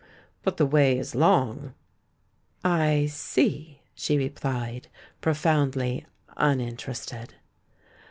But the way is long." "I see," she replied, profoundly uninterested.